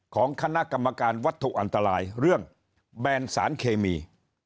ของคณะกรรมการวัตถุอันตรายเรื่องแบนสารเคมี